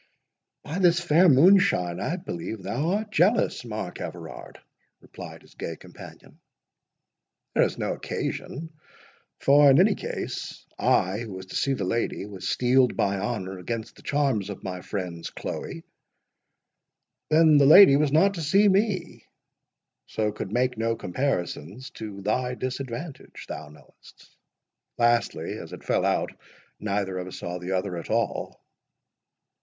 "By this fair moonshine, I believe thou art jealous, Mark Everard!" replied his gay companion; "there is no occasion; for, in any case, I, who was to see the lady, was steeled by honour against the charms of my friend's Chloe—Then the lady was not to see me, so could make no comparisons to thy disadvantage, thou knowest—Lastly, as it fell out, neither of us saw the other at all."